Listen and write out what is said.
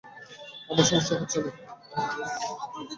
আমার সমস্যা হচ্ছে না।